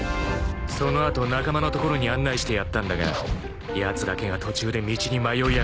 ［その後仲間の所に案内してやったんだがやつだけが途中で道に迷いやがった］